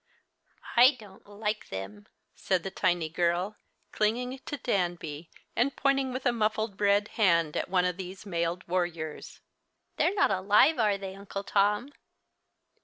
"I don't like them," said the tiny girl, clinging to Danby, and pointing with a muffled red hand at one of these mailed warriors. "They're not alive, are they, Uncle Tom?"